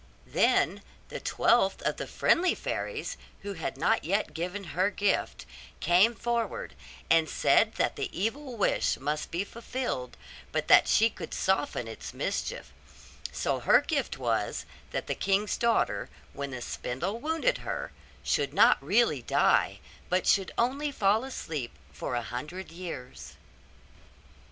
Then the twelfth of the friendly fairies, who had not yet given her gift, came forward, and said that the evil wish must be fulfilled, but that she could soften its mischief; so her gift was, that the king's daughter, when the spindle wounded her, should not really die, but should only fall asleep for a hundred years.